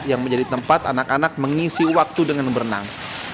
yang menjadi tempat anak anak mengisi waktu dengan berenang